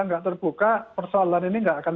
tidak terbuka persoalan ini tidak akan